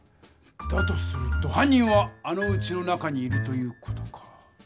だとするとはん人はあのうちの中にいるという事か。